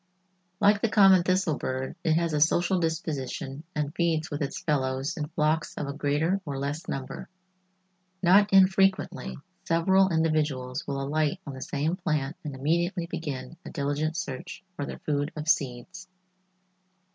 Like the common thistle bird, it has a social disposition and feeds with its fellows in flocks of a greater or less number. Not infrequently several individuals will alight on the same plant and immediately begin a diligent search for their food of seeds.